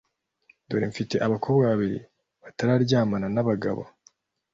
Dore mfite abakobwa babiri batararyamana na abagabo